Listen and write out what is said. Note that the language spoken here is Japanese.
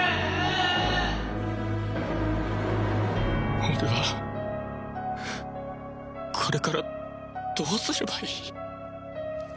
俺はこれからどうすればいい？